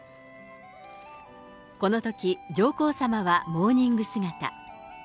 このとき、上皇さまはモーニング姿。